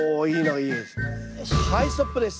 はいストップです。